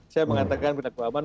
saya mengatakan berperilaku aman